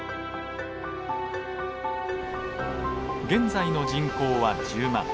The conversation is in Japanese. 現在の人口は１０万。